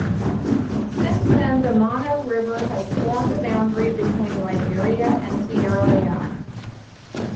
Since then, the Mano River has formed the boundary between Liberia and Sierra Leone.